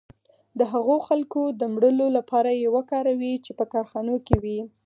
د هغو خلکو د مړولو لپاره یې وکاروي چې په کارخانو کې وو